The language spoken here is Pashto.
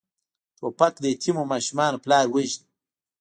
توپک د یتیمو ماشومانو پلار وژني.